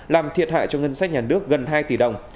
làm thiệt hại cho ngân sách nhà nước gần hai tỷ đồng